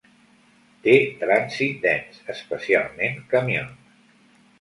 Té trànsit dens, especialment camions.